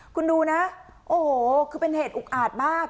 คุณดูนะโอ้โหคือเป็นเหตุอุกอาจมาก